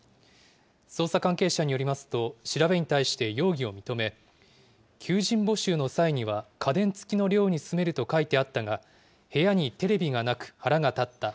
捜査関係者によりますと、調べに対して容疑を認め、求人募集の際には、家電付きの寮に住めると書いてあったが、部屋にテレビがなく、腹が立った。